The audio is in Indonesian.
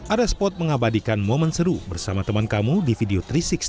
ada spot mengabadikan momen seru bersama teman kamu di video tiga ratus enam puluh